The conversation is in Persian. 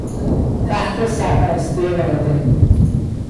تحت سرپرستی والدین